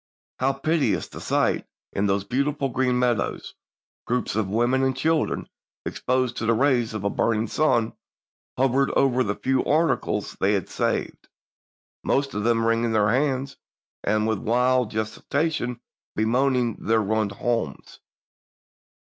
.. How piteous the sight in those beautiful green meadows — groups of women and children exposed to the rays of a burn ing sun, hovering over the few articles they had saved, most of them wringing their hands, and with wild gesticulations bemoaning their ruined homes."